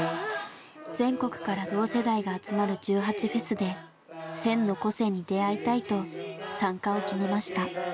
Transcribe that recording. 全国から同世代が集まる１８祭で１，０００の個性に出会いたいと参加を決めました。